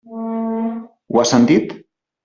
Ho has sentit?